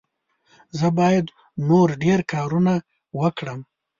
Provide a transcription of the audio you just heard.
زه باید نور ډېر کارونه وکړم.